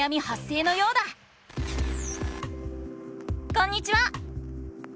こんにちは！